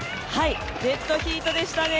デッドヒートでしたね。